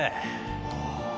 ああ。